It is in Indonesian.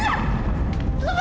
ya gue kabur lagi